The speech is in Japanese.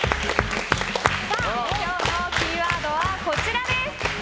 今日のキーワードはこちらです。